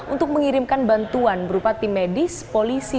untuk mengirimkan bantuan berupa tim medis polisi